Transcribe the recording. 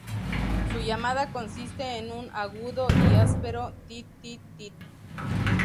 Su llamada consiste en un agudo y áspero "tit tit tit".